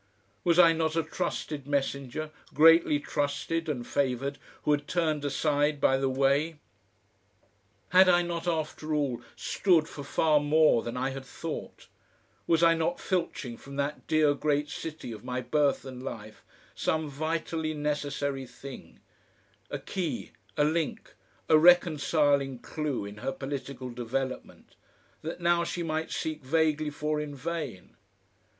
Was I not a trusted messenger, greatly trusted and favoured, who had turned aside by the way? Had I not, after all, stood for far more than I had thought; was I not filching from that dear great city of my birth and life, some vitally necessary thing, a key, a link, a reconciling clue in her political development, that now she might seek vaguely for in vain?